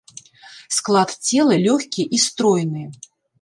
Склад цела лёгкі і стройны.